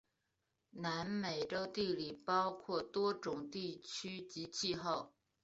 南美洲地理包括多种地区及气候。